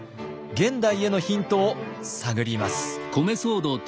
現代へのヒントを探ります。